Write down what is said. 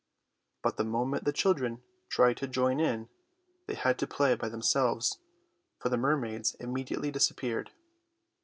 But the moment the children tried to join in they had to play by themselves, for the mermaids immediately disappeared.